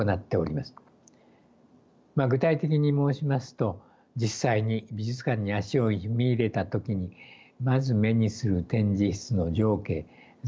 具体的に申しますと実際に美術館に足を踏み入れた時にまず目にする展示室の情景全体を映し出す。